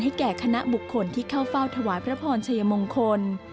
แก่คณะบุคคลที่เข้าเฝ้าถวายพระพรชัยมงคล